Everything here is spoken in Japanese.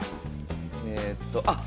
えっとあっ！